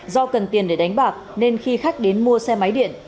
do cần tiền để đánh bạc nên khi khách đến mua xe máy điện